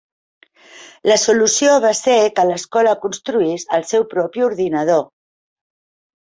La solució va ser que l'Escola construís el seu propi ordinador.